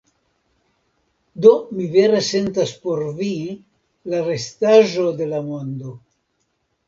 Do mi vere sentas por vi, la restaĵo de la mondo.